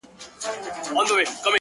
خدایه چي د مرگ فتواوي ودروي نور!